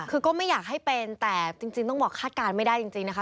คือก็ไม่อยากให้เป็นแต่จริงต้องบอกคาดการณ์ไม่ได้จริงนะคะ